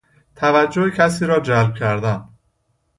توجه کسی را جلب کردن